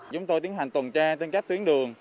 chúng tôi tiến hành tuần tra trên các tuyến đường